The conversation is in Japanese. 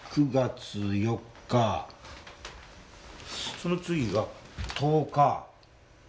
その次が１０日。